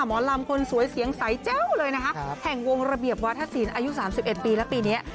หมอลำคนสวยเสียงใสแจ้วเลยนะคะแห่งวงระเบียบวาธศิลป์อายุ๓๑ปีและปีนี้